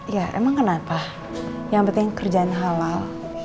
ya emang kenapa yang penting kerjaan halal